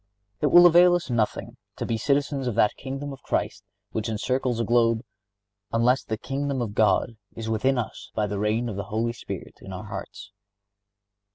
It will avail us nothing to be citizens of that Kingdom of Christ which encircles the globe, unless the Kingdom of God is within us by the reign of the Holy Spirit in our hearts.